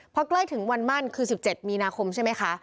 พอใกล้ถึงวันมั่นคือ๑๗มีนาคมใช่ไหมคะ